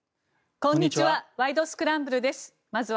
こんにちは。